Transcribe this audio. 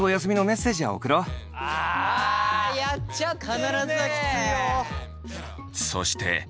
必ずはきついよ。